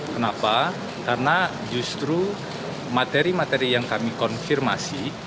kenapa karena justru materi materi yang kami konfirmasi